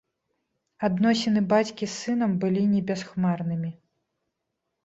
Адносіны бацькі з сынам былі не бясхмарнымі.